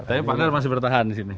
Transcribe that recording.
tapi pak dar masih bertahan di sini